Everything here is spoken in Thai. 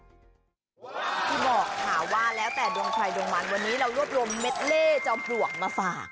ที่บอกค่ะว่าแล้วแต่ดวงใครดวงมันวันนี้เรารวบรวมเม็ดเล่จอมปลวกมาฝาก